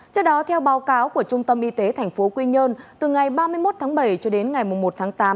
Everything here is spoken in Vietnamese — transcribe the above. trước đó theo báo cáo của trung tâm y tế tp quy nhơn từ ngày ba mươi một tháng bảy cho đến ngày một tháng tám